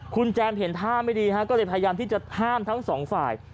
คุณแจมเห็นท่าไม่ดีฮะก็เลยพยายามที่จะห้ามทั้งสองฝ่าย